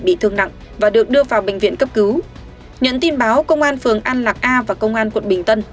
bị thương nặng và được đưa vào bệnh viện cấp cứu nhận tin báo công an phường an lạc a và công an quận bình tân